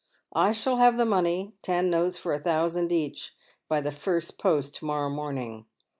I shall have the money — ten note« for a thousand each — by the first post to monow morning."